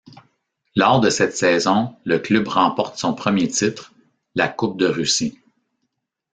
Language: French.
Lors de cette saison le club remporte son premier titre, la Coupe de Russie.